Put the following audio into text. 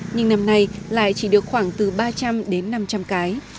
nhưng năm nay lại chỉ được khoảng từ ba trăm linh đến năm trăm linh cái